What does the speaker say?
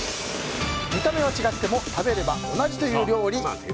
見た目は違っても食べれば同じという料理。